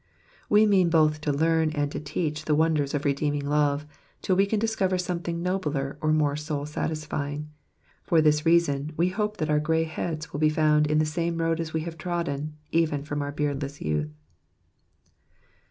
We mean both to learn and to teach the wonders of redeeming love, till we can discover something nobler or more soul satisfying ; for this reason we hope that our grey heads will be found in the same road as we have trodden, even from our beardless youth.